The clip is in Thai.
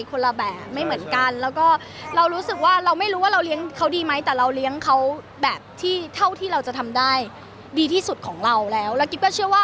คนละแบบไม่เหมือนกันแล้วก็